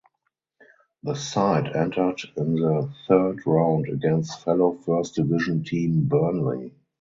The side entered in the third round against fellow First Division team Burnley.